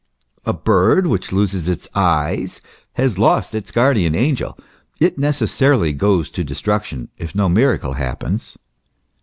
A bird which loses its eyes has lost its guardian angel; it neces sarily goes to destruction if no miracle happens.